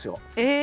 え！